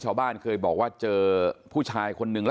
อืมว่านี่คือรถของนางสาวกรรณิการก่อนจะได้ชัดเจนไป